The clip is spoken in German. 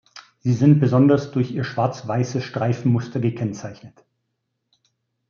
Sie sind besonders durch ihr schwarz-weißes Streifenmuster gekennzeichnet.